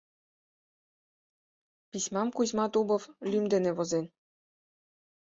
Письмам Кузьма Дубов лӱм дене возен.